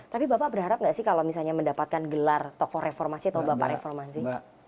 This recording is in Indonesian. tapi bapak berharap nggak sih kalau misalnya mendapatkan gelar tokoh reformasi atau bapak reformasi